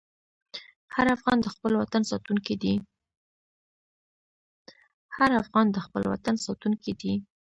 هر افغان د خپل وطن ساتونکی دی.